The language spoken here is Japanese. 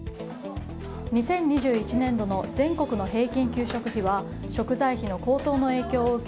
２０２１年度の全国の平均給食費は食材費の高騰の影響を受け